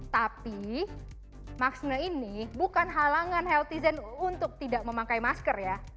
tapi maxne ini bukan halangan healthy zen untuk tidak memakai masker ya